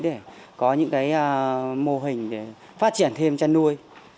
để có những mô hình phát triển thêm trăn nuôi